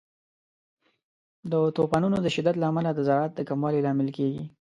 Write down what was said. د طوفانونو د شدت له امله د زراعت د کموالي لامل کیږي.